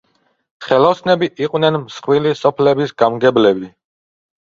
ხელოსნები იყვნენ მსხვილი სოფლების გამგებლები.